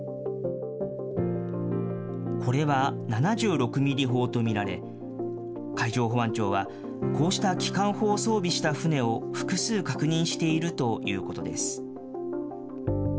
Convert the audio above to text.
これは７６ミリ砲と見られ、海上保安庁は、こうした機関砲を装備した船を複数確認しているということです。